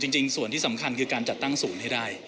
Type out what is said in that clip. จริงส่วนที่สำคัญคือการจัดตั้งศูนย์ให้ได้